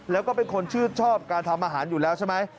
แล้วก็เป็นคนชื่นชอบการทำอาหารอยู่แล้วใช่ไหม